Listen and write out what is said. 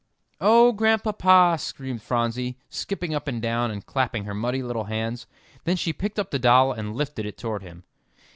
"Oh, Grandpapa!" screamed Phronsie, skipping up and down and clapping her muddy little hands, then she picked up the doll and lifted it toward him.